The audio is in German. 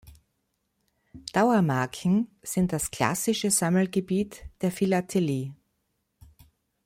Dauermarken sind das klassische Sammelgebiet der Philatelie.